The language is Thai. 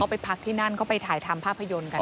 ไปพักที่นั่นก็ไปถ่ายทำภาพยนตร์กัน